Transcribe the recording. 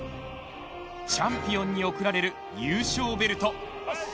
チャンピオンに贈られる優勝ベルト。